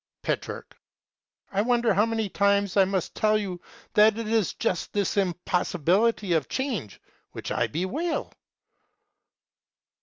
Petrarch. I wonder how many times I must tell you that it is just this impossibility of change which I bewail.